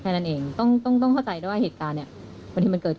วันนี้เรายังยืนยันคำเดิมไหมครับ